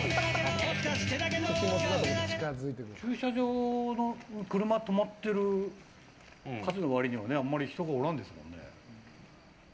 駐車場の車止まってる数の割にはあんまり人がおらんですもんね。